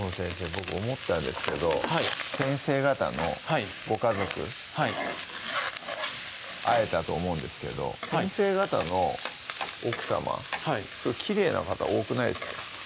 僕思ったんですけどはい先生方のご家族はい会えたと思うんですけど先生方の奥さまきれいな方多くないですか？